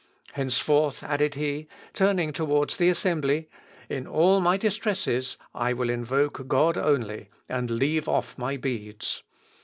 Henceforth," added he, turning towards the assembly, "in all my distresses I will invoke God only and leave off my beads.